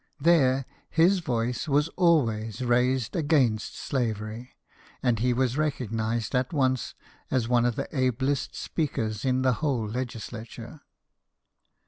There, his voice was always raised against slavery, and he was recognized at once as one of the ablest speakers in the whole legislature.